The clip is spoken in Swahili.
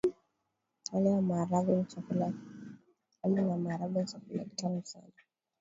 Wali na maharagwe ni chakula kitamu sana.